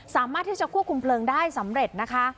สามารถที่จะควบคุมเพลิงได้สำเร็จนะคะ